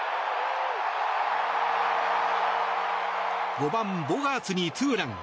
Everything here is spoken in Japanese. ５番、ボガーツにツーラン。